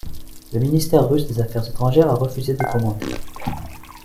Le ministère russe des Affaires étrangères a refusé de commenter.